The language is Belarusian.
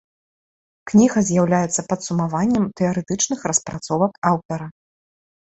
Кніга з'яўлялася падсумаваннем тэарэтычных распрацовак аўтара.